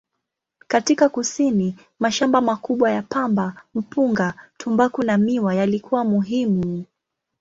Katika kusini, mashamba makubwa ya pamba, mpunga, tumbaku na miwa yalikuwa muhimu.